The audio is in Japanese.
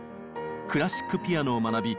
クラシックピアノを学び